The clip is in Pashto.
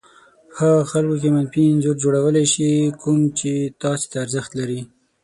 په هغو خلکو کې منفي انځور جوړولای شي کوم چې تاسې ته ارزښت لري.